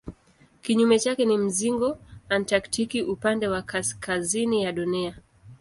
Kinyume chake ni mzingo antaktiki upande wa kaskazini ya Dunia.